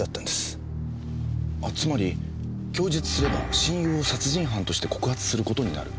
あつまり供述すれば親友を殺人犯として告発する事になる。